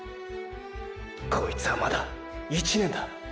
こいつぁまだ「１年」だ。